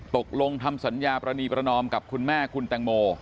ตกลงทำสัญญาปรณีประนอมกับคุณแม่คุณแตงโม